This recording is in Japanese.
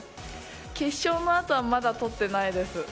決勝のあとはまだ取ってないです。